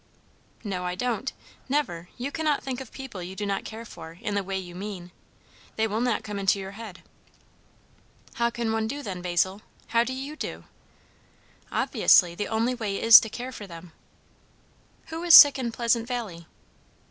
"No, I don't. Never. You cannot think of people you do not care for, in the way you mean. They will not come into your head." "How can one do then, Basil? How do you do?" "Obviously, the only way is to care for them." "Who is sick in Pleasant Valley?"